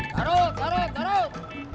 taruh taruh taruh